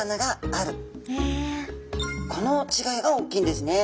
この違いが大きいんですね。